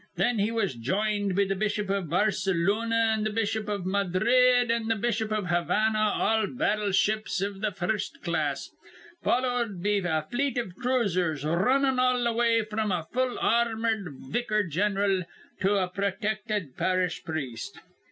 Thin he was jined be th' bishop iv Barsaloona an' th' bishop iv Mahdrid an' th' bishop iv Havana, all battle ships iv th' first class, followed be a fleet iv cruisers r runnin' all th' way fr'm a full ar rmored vicar gin'ral to a protected parish priest.